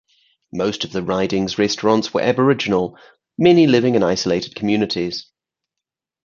Most of the riding's residents were aboriginal, many living in isolated communities.